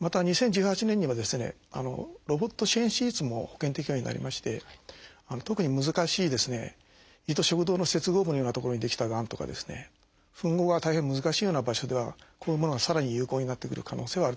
また２０１８年にはロボット支援手術も保険適用になりまして特に難しい胃と食道の接合部のような所に出来たがんとか吻合が大変難しいような場所ではこういうものがさらに有効になってくる可能性はあると思います。